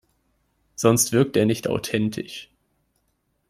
Sonst wirkt er nicht authentisch.